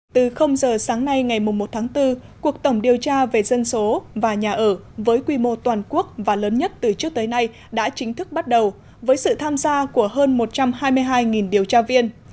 từ giờ sáng nay ngày một tháng bốn cuộc tổng điều tra về dân số và nhà ở với quy mô toàn quốc và lớn nhất từ trước tới nay đã chính thức bắt đầu với sự tham gia của hơn một trăm hai mươi hai điều tra viên